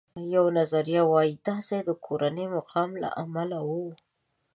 یوه نظریه وایي دا ځای د کورني مقام له امله و.